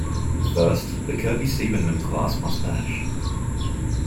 First, the Kirby-Siebenmann class must vanish.